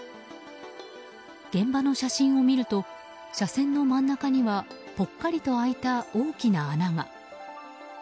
現場の写真を見ると車線の真ん中にはぽっかりと開いた大きな穴が。